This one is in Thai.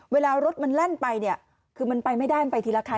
เวลารถมันแล่นไปคือมันไปไม่ได้ไปทีละคร